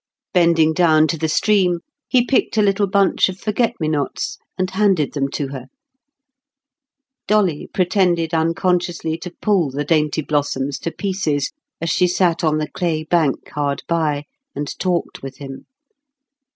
Bending down to the stream he picked a little bunch of forget me nots, and handed them to her. Dolly pretended unconsciously to pull the dainty blossoms to pieces, as she sat on the clay bank hard by and talked with him.